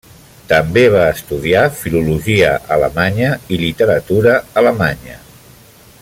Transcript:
També va estudiar Filologia Alemanya i Literatura Alemanya.